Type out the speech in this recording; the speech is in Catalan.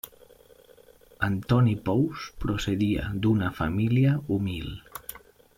Antoni Pous procedia d'una família humil.